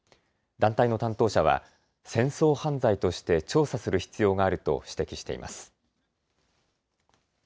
団体の担当者は戦争犯罪として調査する必要があると指摘しています。